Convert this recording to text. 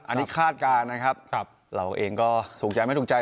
อันนี้คาดการณ์นะครับเราเองก็ถูกใจไม่ถูกใจ